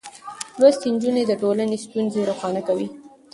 لوستې نجونې د ټولنې ستونزې روښانه کوي.